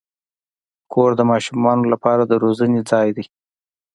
کور د ماشومانو لپاره د روزنې ځای دی.